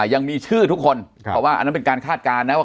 ยังมีชื่อทุกคนเพราะว่าอันนั้นเป็นการคาดการณ์นะว่า